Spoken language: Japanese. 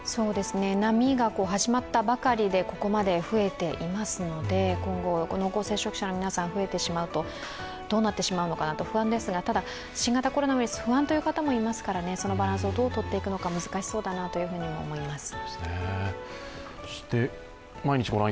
波が始まったばかりで、ここまで増えていますので、今後、濃厚接触者の皆さんが増えてしまうとどうなってしまうのかなと不安ですが、ただ、新型コロナウイルス、不安という方もいますからそのバランスをどう取っていくのか難しそうだなと思います。